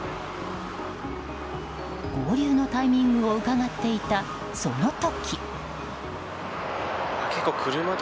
合流のタイミングをうかがっていた、その時。